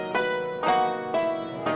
yang ini udah kecium